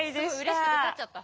うれしくて立っちゃった！